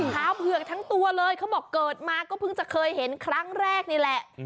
เผือกทั้งตัวเลยเขาบอกเกิดมาก็เพิ่งจะเคยเห็นครั้งแรกนี่แหละ